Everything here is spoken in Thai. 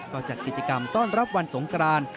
ก็จัดกิจกรรมต้อนรับวันสงกราน